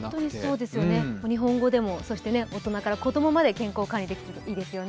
日本語でも、そして大人から子供まで健康管理できるといいですよ。